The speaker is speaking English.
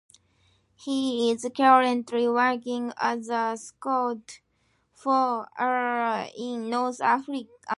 He is currently working as a scout for Arsenal in North America.